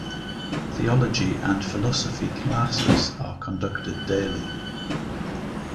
Theology and philosophy classes are conducted daily.